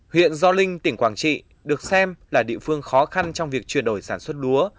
huyện do linh tỉnh quảng trị được xem là địa phương khó khăn trong việc chuyển đổi sản xuất lúa